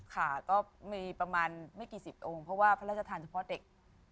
ค่ะก็มีประมาณไม่กี่สิบองค์เพราะว่าพระราชทานเฉพาะเด็ก